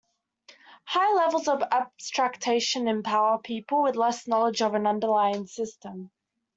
Higher levels of abstraction empower people with less knowledge of an underlying system.